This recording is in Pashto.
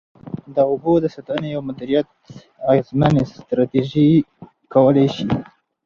د اوبو د ساتنې او مدیریت اغیزمنې ستراتیژۍ کولای شي.